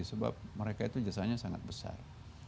sebab mereka itu jasanya sangat besar